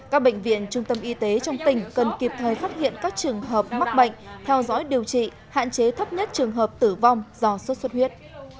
các bệnh viện trung tâm y tế trong tỉnh cần kịp thời phát hiện các trường hợp mắc bệnh theo dõi điều trị hạn chế thấp nhất trường hợp tử vong do sốt xuất huyết